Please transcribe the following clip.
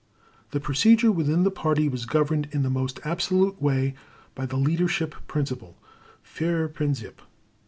The procedure within the Party was governed in the most absolute way by the "Leadership Principle" (Führerprinzip).